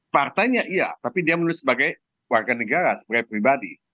partainya iya tapi dia menulis sebagai warga negara sebagai pribadi